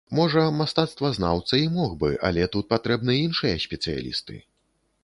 Можа мастацтвазнаўца і мог бы, але тут патрэбны іншыя спецыялісты.